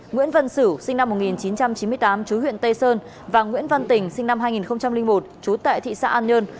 nguyễn văn sử sinh năm một nghìn chín trăm chín mươi tám chú huyện tây sơn và nguyễn văn tình sinh năm hai nghìn một trú tại thị xã an nhơn